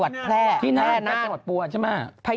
ที่นาดที่ทำกว่าที่มักปลั่อย